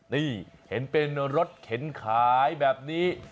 นี่เห็นเป็นรถเข็นขายแบบนี้